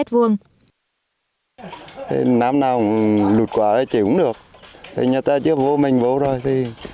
thế năm nào lụt quả thì chịu cũng được thế nhà ta chứa vô mình vô rồi